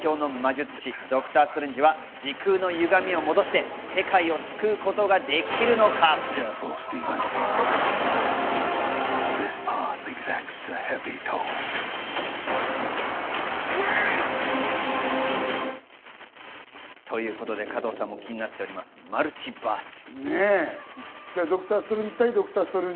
果たして最凶の魔術師ドクター・ストレンジは時空のゆがみを戻して世界を救うことができるのか。ということで加藤さんも気になっております、マルチバース。